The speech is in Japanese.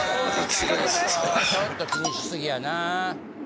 ちょっと気にしすぎやな。